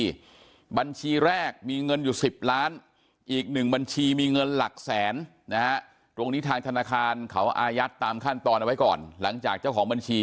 บัญชีแรกมีเงินอยู่๑๐ล้านอีกหนึ่งบัญชีมีเงินหลักแสนนะฮะตรงนี้ทางธนาคารเขาอายัดตามขั้นตอนเอาไว้ก่อนหลังจากเจ้าของบัญชี